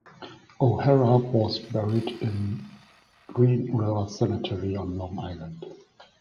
O'Hara was buried in Green River Cemetery on Long Island.